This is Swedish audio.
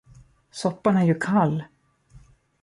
Soppan är ju kall!